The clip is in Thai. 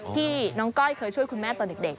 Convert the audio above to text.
ที่น้องก้อยเคยช่วยคุณแม่ตอนเด็ก